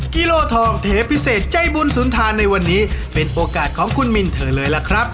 กิโลทองเทพิเศษใจบุญสุนทานในวันนี้เป็นโอกาสของคุณมินเธอเลยล่ะครับ